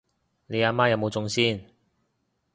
你阿媽有冇中先？